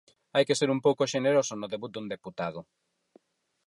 Hai que ser un pouco xeneroso no debut dun deputado.